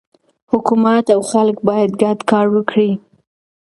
حکومت او خلک باید ګډ کار وکړي.